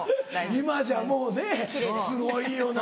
今じゃもうねすごいよな。